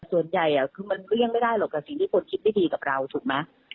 ส่วนใหญ่คือมันเลี่ยงไม่ได้หรอกกับสิ่งที่คนคิดไม่ดีกับเราถูกไหม